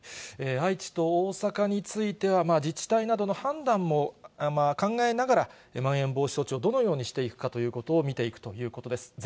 愛知と大阪については、自治体などの判断も考えながら、まん延防止措置をどのようにしていくかということを見ていくということです。